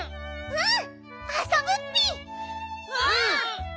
うん！